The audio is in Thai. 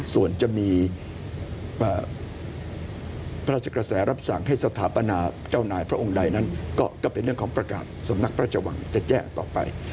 ส่วนจะมีพระราชกระแสรับสั่งให้สถาปนาเจ้านายพระองค์ใดนั้นก็เป็นเรื่องของประกาศสำนักพระราชวังจะแจ้งต่อไป